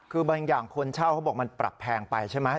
คือบางอย่างคนเช่าเขาบอกมันปรับแพงไปใช่ไหม